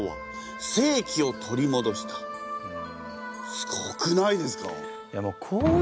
すごくないですか？